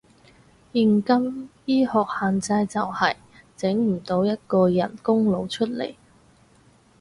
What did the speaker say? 現今醫學限制就係，整唔到一個人工腦出嚟